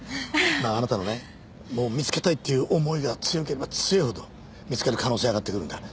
あなたのね見つけたいっていう思いが強ければ強いほど見つける可能性上がってくるんだ。